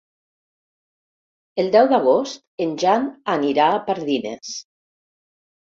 El deu d'agost en Jan anirà a Pardines.